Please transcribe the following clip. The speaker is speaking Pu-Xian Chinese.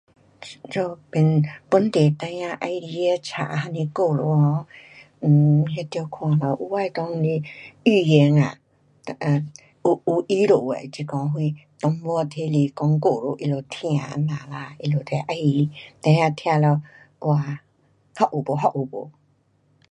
um um 本地孩儿喜欢的书还是故事 um 有，那样看咯有的内是寓言啊，um um 有意思的，那个什动物那是讲故事他们听这样。um 他就喜欢，孩儿听了，哇，还有吗？还有吗？